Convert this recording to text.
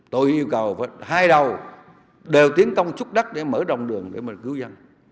tôi yêu cầu hai đầu đều tiến công chút đắt để mở đồng đường để mà cứu dân